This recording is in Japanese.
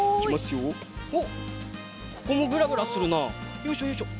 よいしょよいしょ。